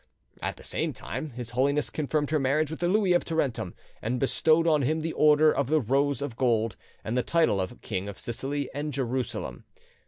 At the same time, His Holiness confirmed her marriage with Louis of Tarentum, and bestowed on him the order of the Rose of Gold and the title of King of Sicily and Jerusalem.